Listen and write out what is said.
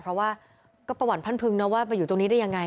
เพราะว่าก็ประวัติท่านพึงนะว่ามาอยู่ตรงนี้ได้ยังไง